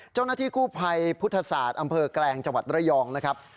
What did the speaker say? เจ้าหน้าที่กู้ภัยพุทธศาสตร์อำเภอแกลงจังหวัดระยองนะครับ